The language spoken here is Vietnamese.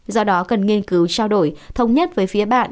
do đó cần nghiên cứu trao đổi thông nhất với phía bạn